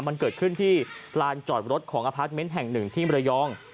มันเกิดขึ้นที่ลานจอดรถของอพาร์ทเมนต์แห่งหนึ่งที่มรยอง